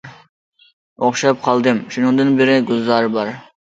ئوخشاپ قالدىم شۇنىڭدىن بېرى، گۈلزارى بار.